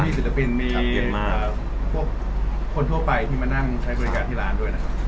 ศิลปินมีพวกคนทั่วไปที่มานั่งใช้บริการที่ร้านด้วยนะครับ